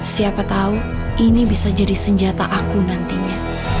siapa tahu ini bisa jadi senjata aku nantinya